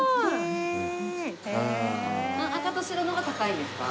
赤と白のが高いんですか？